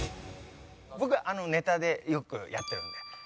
僕ネタでよくやってるんで。